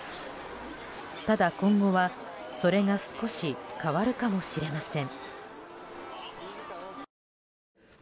ただ今後は、それが少し変わるかもしれません。